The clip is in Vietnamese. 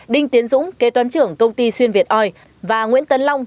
đinh tiến dũng kế toán trưởng công ty xuyên việt oi và nguyễn tấn long